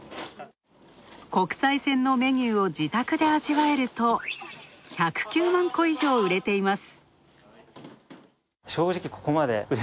国際線のメニューを自宅で味わえると１０９万個以上、売れています。